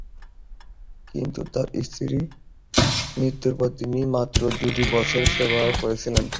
কিন্তু, তার স্ত্রীর মৃত্যুর পর তিনি মাত্র দুই বছর সেবা করেছিলেন।